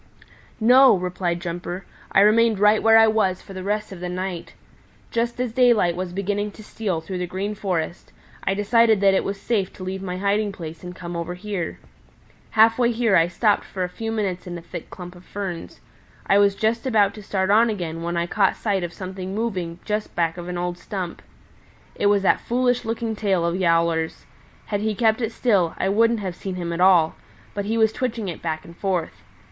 "No," replied Jumper. "I remained right where I was for the rest of the night. Just as daylight was beginning to steal through the Green Forest, I decided that it was safe to leave my hiding place and come over here. Half way here I stopped for a few minutes in a thick clump of ferns. I was just about to start on again when I caught sight of something moving just back of an old stump. It was that foolish looking tail of Yowler's. Had he kept it still I wouldn't have seen him at all; but he was twitching it back and forth.